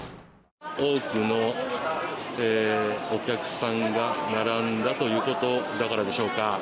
多くのお客さんが並んだということだからでしょうか